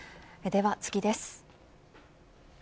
では次です。